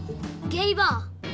ゲイバー？